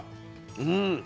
うん。